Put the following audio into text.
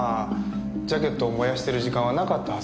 ジャケットを燃やしてる時間はなかったはずだし。